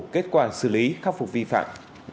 kết quả xử lý khắc phục vi phạm